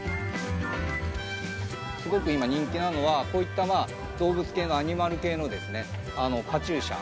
すごく今人気なのは、こういった動物系の、アニマル系のカチューシャ。